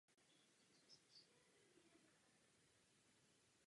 Samy jsou ale potravou ryb a dalších větších organismů.